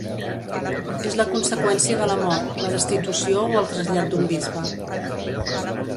És la conseqüència de la mort, la destitució o el trasllat d'un bisbe.